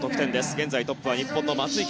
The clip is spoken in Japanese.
現在、トップは日本の松生。